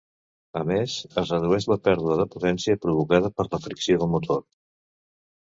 A més, es redueix la pèrdua de potència provocada per la fricció del motor.